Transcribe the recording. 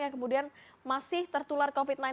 yang kemudian masih tertular covid sembilan belas